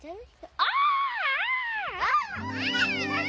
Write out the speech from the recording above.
ああ！